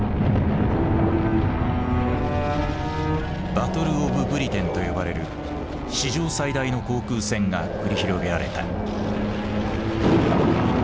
バトル・オブ・ブリテンと呼ばれる史上最大の航空戦が繰り広げられた。